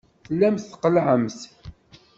Tellamt tqellɛemt.